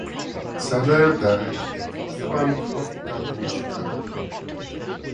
Sadler died at Passavant Hospital in Chicago.